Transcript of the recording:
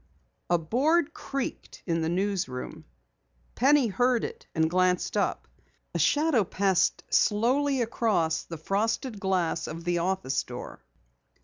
A board creaked in the newsroom. Penny heard it and glanced up. A shadow passed slowly across the frosted glass of the office door.